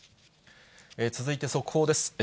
続いて、速報です。